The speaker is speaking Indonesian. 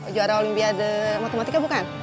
juara olimpiade matematika bukan